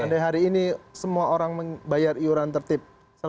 seandainya hari ini semua orang bayar iuran tertib